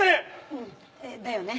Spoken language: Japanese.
うんだよね。